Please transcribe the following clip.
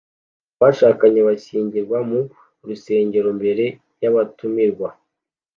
Abashakanye bashyingirwa mu rusengero mbere yabatumirwa